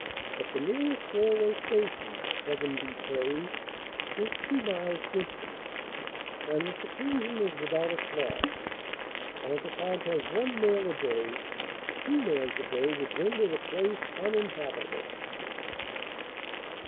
But the nearest railway station (Heaven be praised!) is two miles distant, and the seclusion is without a flaw. Ponkapog has one mail a day; two mails a day would render the place uninhabitable.